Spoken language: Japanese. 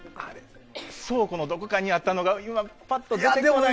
倉庫のどこかにあったのが今、ぱっと出てこない。